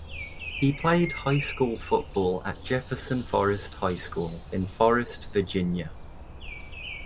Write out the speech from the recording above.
He played high school football at Jefferson Forest High School in Forest, Virginia.